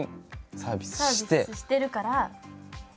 サービスしてるから。